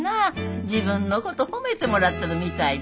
自分のこと褒めてもらっとるみたいで。